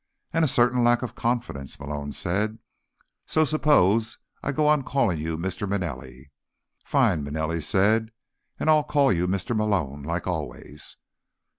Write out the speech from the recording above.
"And a certain lack of confidence," Malone said. "So suppose I go on calling you Mr. Manelli?" "Fine," Manelli said. "And I'll call you Mr. Malone, like always."